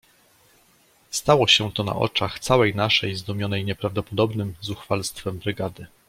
"Stało się to na oczach całej naszej, zdumionej nieprawdopodobnem zuchwalstwem brygady."